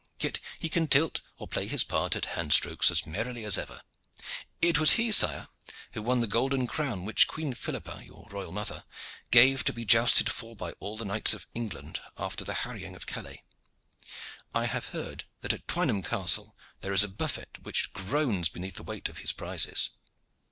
Yet he can tilt or play his part at hand strokes as merrily as ever. It was he, sire, who won the golden crown which Queen Philippa, your royal mother, gave to be jousted for by all the knights of England after the harrying of Calais. I have heard that at Twynham Castle there is a buffet which groans beneath the weight of his prizes."